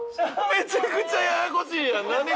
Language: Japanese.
めちゃくちゃややこしいやん。